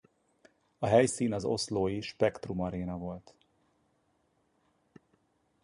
A helyszín az oslói Spektrum Aréna volt.